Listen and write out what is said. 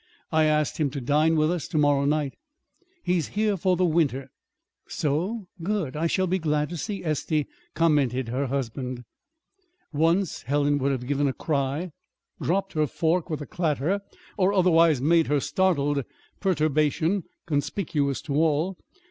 "I asked him to dine with us to morrow night. He is here for the winter." "So? Good! I shall be glad to see Estey," commented her husband. Once Helen would have given a cry, dropped her fork with a clatter, or otherwise made her startled perturbation conspicuous to all.